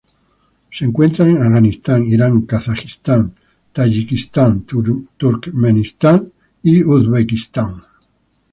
Se encuentran en Afganistán, Irán, Kazajistán, Tayikistán, Turkmenistán, Uzbekistán.